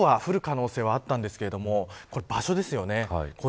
ひょうは降る可能性あったんですが、場所ですよね。